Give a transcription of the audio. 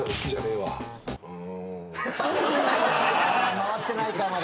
「回ってないかまだ」